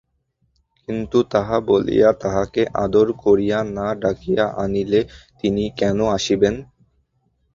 কিন্তু তাহা বলিয়া তাঁহাকে আদর করিয়া না ডাকিয়া অনিলে তিনি কেন আসিবেন?